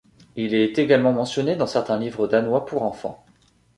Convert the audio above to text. Il est également mentionné dans certains livres danois pour enfants.